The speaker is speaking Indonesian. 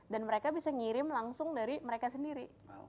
dan mereka bisa ngirim langsung dari mereka sendiri